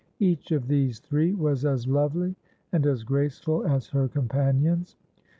Each of these three was as lovely and as graceful as her companions.